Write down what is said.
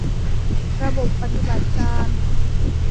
ระบบปฏิบัติการ